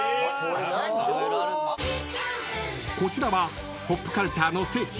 ［こちらはポップカルチャーの聖地